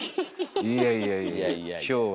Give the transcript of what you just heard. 「いやいやいやいや今日は８日でしょ？